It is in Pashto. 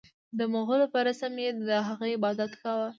د مغولو په رسم یې د هغه عبادت کاوه.